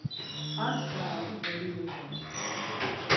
Ar saat̆i golilu doren.